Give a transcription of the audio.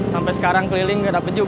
sampai sekarang keliling gak dapet juga